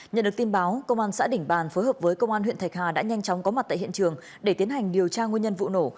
nhận được tin báo công an xã đỉnh bàn phối hợp với công an huyện thạch hà đã nhanh chóng có mặt tại hiện trường để tiến hành điều tra nguyên nhân vụ nổ